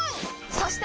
そして！